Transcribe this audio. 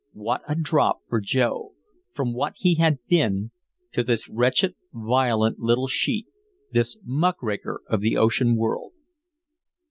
What a drop for Joe, from what he had been, to this wretched violent little sheet, this muckraker of the ocean world.